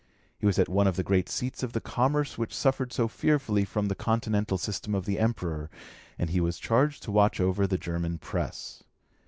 He was at one of the great seats of the commerce which suffered so fearfully from the Continental system of the Emperor, and he was charged to watch over the German press.